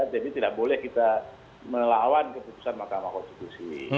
jadi tidak boleh kita melawan keputusan mahkamah konstitusi